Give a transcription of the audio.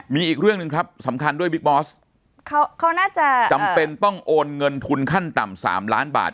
มีอีกเรื่องหนึ่งครับสำคัญด้วยบิ๊กบอสเขาน่าจะจำเป็นต้องโอนเงินทุนขั้นต่ำสามล้านบาท